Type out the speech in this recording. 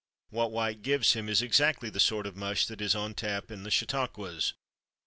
What White gives him is exactly the sort of mush that is on tap in the chautauquas.